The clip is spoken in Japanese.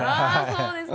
そうですか。